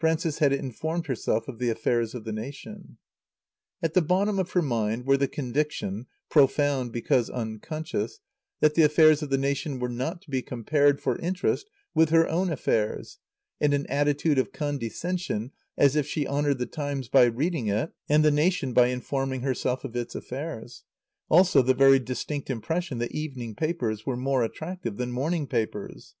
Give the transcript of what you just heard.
Frances had informed herself of the affairs of the nation. At the bottom of her mind was the conviction (profound, because unconscious) that the affairs of the nation were not to be compared for interest with her own affairs, and an attitude of condescension, as if she honoured the Times by reading it and the nation by informing herself of its affairs; also the very distinct impression that evening papers were more attractive than morning papers.